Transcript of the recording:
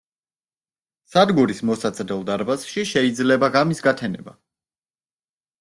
სადგურის მოსაცდელ დარბაზში შეიძლება ღამის გათენება.